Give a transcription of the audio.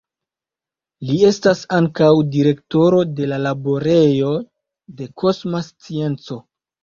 Li estas ankaŭ direktoro de la Laborejo de Kosma Scienco.